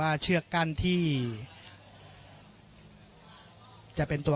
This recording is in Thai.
ไม่เป็นไรไม่เป็นไร